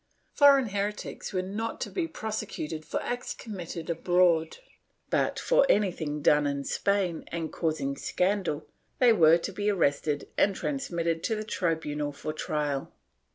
Foreign heretics were not to be prosecuted for acts committed abroad but, for anything done in Spain and causing scandal, they were to be arrested and transmitted to the tribunal for trial.